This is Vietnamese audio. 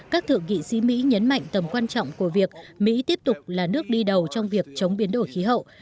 các thượng nghị sĩ mỹ nhấn mạnh tầm quan trọng của việc mỹ tiếp tục là nước đi đầu trong việc chống biến đổi khí hậu